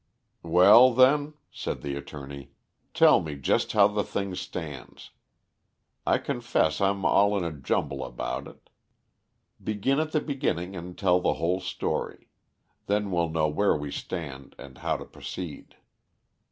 "Well, then," said the attorney, "tell me just how the thing stands. I confess I'm all in a jumble about it. Begin at the beginning and tell the whole story. Then we'll know where we stand and how to proceed."